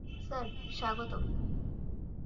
Sir, স্বাগতম।